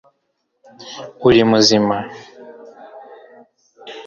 uri muzima